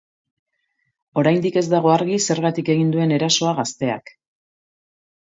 Oraindik ez dago argi zergatik egin duen erasoa gazteak.